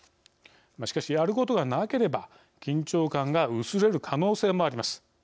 しかし、やることがなければ緊張感が薄れる可能性もあります。